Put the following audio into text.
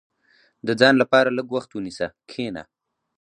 • د ځان لپاره لږ وخت ونیسه، کښېنه.